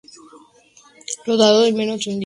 Rodado en menos de un día.